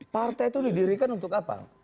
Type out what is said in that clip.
partai itu didirikan untuk apa